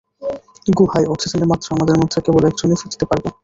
গুহায় অক্সিজেনের মাত্রা আমাদের মধ্যে কেবল একজনই ফিরতে পারবো।